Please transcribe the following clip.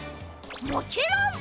もちろん！